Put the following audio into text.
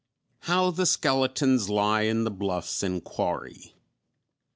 _How the Skeletons Lie in the Bluffs and Quarry.